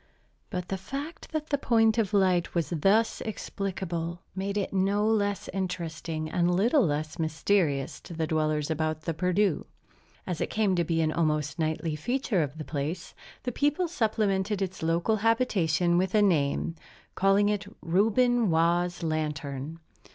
But the fact that the point of light was thus explicable, made it no less interesting and little less mysterious to the dwellers about the Perdu. As it came to be an almost nightly feature of the place, the people supplemented its local habitation with a name, calling it "Reuben Waugh's Lantern."